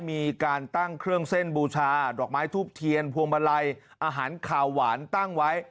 มีการตั้งเครื่องเส้นบูชาดอกไม้ทูบเทียนพวงมาลัยอาหารขาวหวานตั้งไว้